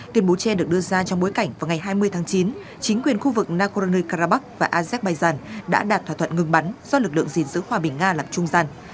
tuyên bố che được đưa ra trong bối cảnh vào ngày hai mươi tháng chín chính quyền khu vực nagorno karabakh và azerbaijan đã đạt thỏa thuận ngừng bắn do lực lượng gìn giữ hòa bình nga làm trung gian